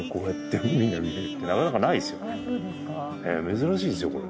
珍しいですよこれ。